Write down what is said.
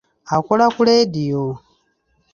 Akola ku leediyo.